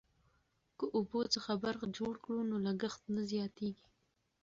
که اوبو څخه برق جوړ کړو نو لګښت نه زیاتیږي.